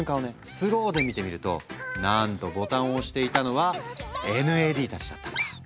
スローで見てみるとなんとボタンを押していたのはＮＡＤたちだったんだ。